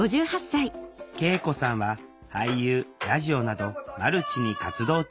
圭永子さんは俳優ラジオなどマルチに活動中。